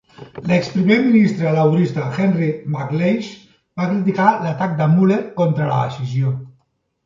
L'exprimer ministre laborista Henry McLeish va criticar l'atac de Mueller contra la decisió.